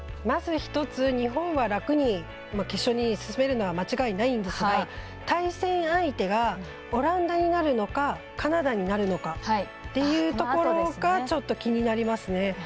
まず１つ日本が楽に決勝に進めるのは間違いないんですが対戦相手が、オランダになるのかカナダになるのかというところがちょっと気になりますね。